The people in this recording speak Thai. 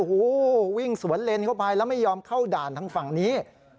โอ้โหวิ่งสวนเลนเข้าไปแล้วไม่ยอมเข้าด่านทางฝั่งนี้